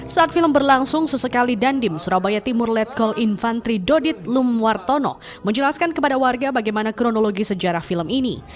saat film berlangsung sesekali dandim surabaya timur letkol infantri dodit lumwartono menjelaskan kepada warga bagaimana kronologi sejarah film ini